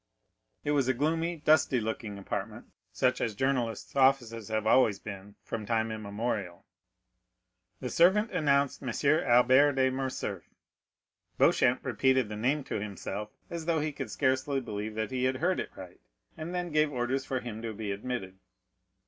It was a gloomy, dusty looking apartment, such as journalists' offices have always been from time immemorial. The servant announced M. Albert de Morcerf. Beauchamp repeated the name to himself, as though he could scarcely believe that he had heard aright, and then gave orders for him to be admitted.